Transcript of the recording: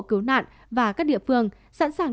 cứu nạn và các địa phương sẵn sàng